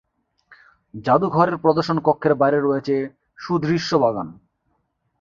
জাদুঘরের প্রদর্শন কক্ষের বাইরে রয়েছে সুদৃশ্য বাগান।